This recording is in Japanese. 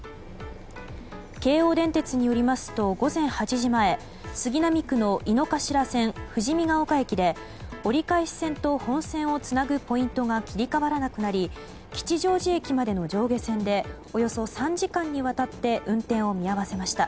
京王電鉄によりますと午前８時前杉並区の井の頭線富士見ヶ丘駅で折り返し線と本線をつなぐポイントが切り替わらなくなり吉祥寺駅までの上下線でおよそ３時間にわたって運転を見合わせました。